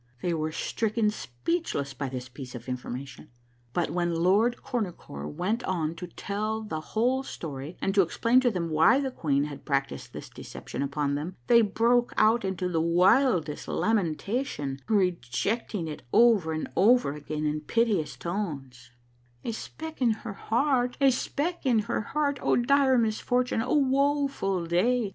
They were stricken speechless by this piece of information, but when Lord Cornucore went on to tell tlie whole story and to explain to them why the queen had practised this deception 82 A MARVELLOUS UNDERGROUND JOURNEY upon them, they broke out into the wildest lamentation, rejoeat ing over and over again in piteous tones, —" A speck in her heart ! A speck in her heart ! O dire mis fortune ! O woful day